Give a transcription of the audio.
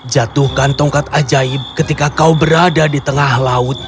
jatuhkan tongkat ajaib ketika kau berada di tengah laut